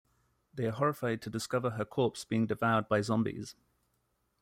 They are horrified to discover her corpse being devoured by zombies.